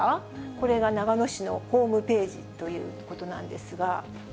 これが長野市のホームページということなんですが。